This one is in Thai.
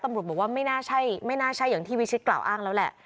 ตำรวจบอกว่าไม่น่าใช่ไม่น่าใช่อย่างที่วิชิตกล่าวอ้างแล้วแหละ